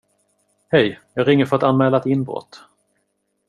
Hej, jag ringer för att anmäla ett inbrott.